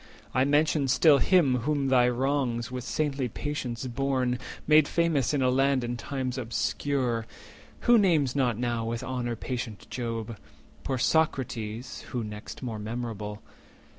I mention still Him whom thy wrongs, with saintly patience borne, Made famous in a land and times obscure; Who names not now with honour patient Job? Poor Socrates, (who next more memorable?)